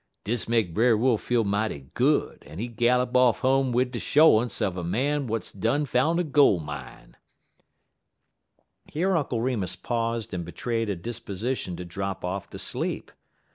Dis make Brer Wolf feel mighty good, en he gallop off home wid de shorance un a man w'at done foun' a gol' mine." Here Uncle Remus paused and betrayed a disposition to drop off to sleep.